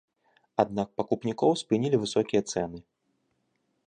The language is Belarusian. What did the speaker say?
Аднак пакупнікоў спынілі высокія цэны.